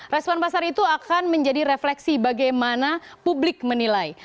respon pasar itu akan menjadi refleksi bagaimana publik menilai